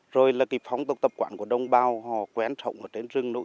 rồi là phóng tập quản của đồng bào họ quen trọng ở trên rừng nội